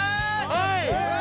はい！